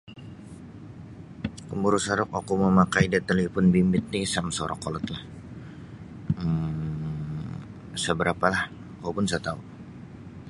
Komburo' soruk oku mamakai da talipun bimbit ti isa masoruk kolod lah um isa berapalah oku pun isa tau.